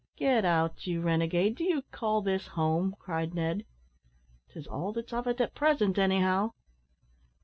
"Get out, you renegade! do you call this home?" cried Ned. "'Tis all that's of it at present, anyhow."